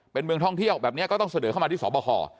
เป็นเมืองท่องเที่ยวแบบนี้ก็ต้องเสนอเข้ามาที่สบค